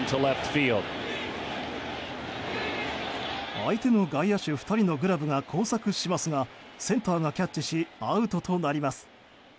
相手の外野手２人のグラブが交錯しますがセンターがキャッチしアウトとなります。